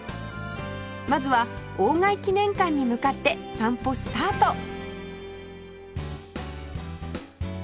まずは外記念館に向かって散歩スタート